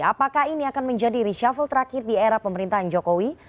apakah ini akan menjadi reshuffle terakhir di era pemerintahan jokowi